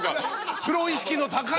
プロ意識の高い。